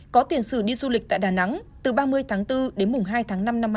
có tiền sử đi du lịch tại đà nẵng từ ba mươi tháng bốn đến mùng hai tháng năm năm hai nghìn hai mươi